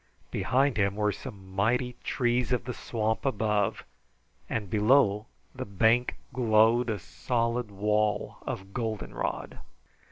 Behind him were some mighty trees of the swamp above, and below the bank glowed a solid wall of goldenrod.